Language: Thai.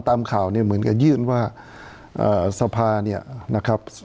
ตามข่าวเนี่ยเหมือนกับยื่นว่าสภาเนี่ยนะครับ